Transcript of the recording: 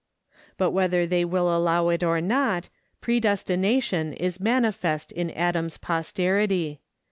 But whether they will allow it or not, predestination is manifest in Adam's posterity.